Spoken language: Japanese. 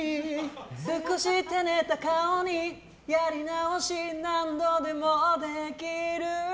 少し照れた顔にやり直し何度でもできる。